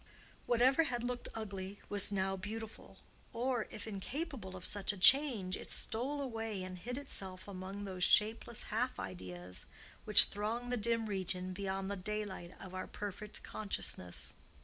Whatever had looked ugly was now beautiful; or, if incapable of such a change, it stole away and hid itself among those shapeless half ideas which throng the dim region beyond the daylight of our perfect consciousness.